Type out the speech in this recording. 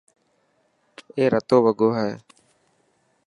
اي رتو وڳو هي.